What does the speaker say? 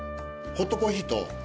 ホットコーヒー。